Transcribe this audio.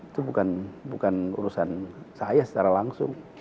itu bukan urusan saya secara langsung